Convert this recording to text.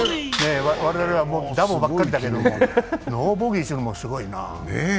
我々はダボばっかりだけど、ノーボギーするのもすごいな。